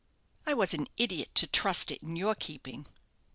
I was an idiot to trust it in your keeping."